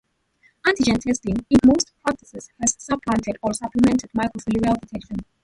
Antigen testing, in most practices, has supplanted or supplemented microfilarial detection.